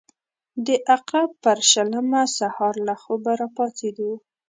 د عقرب پر شلمه سهار له خوبه راپاڅېدو.